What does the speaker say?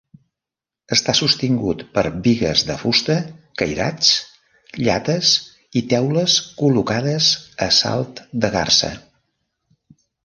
Està sostingut per bigues de fusta, cairats, llates i teules col·locades a salt de garsa.